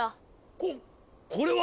ここれは！